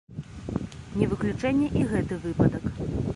Не выключэнне і гэты выпадак.